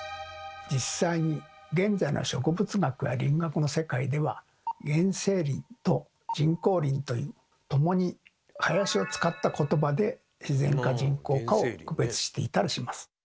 実際に現在の植物学や林学の世界では「原生林」と「人工林」という共に「林」を使ったことばで自然か人工かを区別していたりします。